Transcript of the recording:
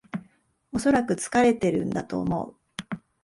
おそらく疲れてるんだと思う